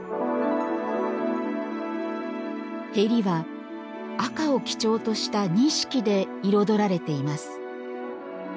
縁は赤を基調とした錦で彩られています。